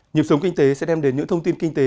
nhiệm sống kinh tế sẽ đem đến những thông tin kinh tế